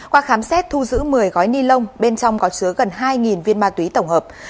qua khám xét thu giữ một mươi gói ni lông bên trong có chứa gần hai viên ma túy tổng hợp